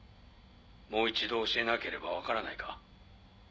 もう一度教えなければ分からないか？